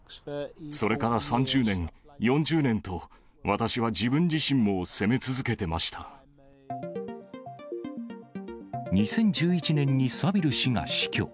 それから３０年、４０年と、２０１１年にサビル氏が死去。